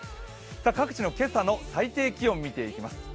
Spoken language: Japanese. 各地の今朝の最低気温を見ていきます。